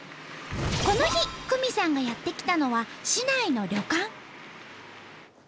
この日九美さんがやって来たのは市内の旅館。